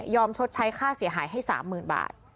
ชดใช้ค่าเสียหายให้๓๐๐๐บาท